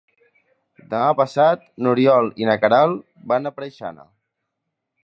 Demà passat n'Oriol i na Queralt van a Preixana.